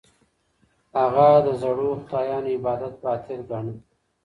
هغه د زړو خدایانو عبادت باطل ګاڼه.